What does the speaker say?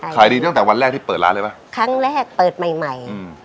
ขายดีตั้งแต่วันแรกที่เปิดร้านเลยป่ะครั้งแรกเปิดใหม่ใหม่อืม